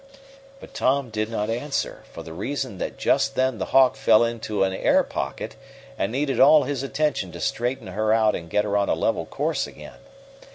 But Tom did not answer, for the reason that just then the Hawk fell into an "air pocket," and needed all his attention to straighten her out and get her on a level course again.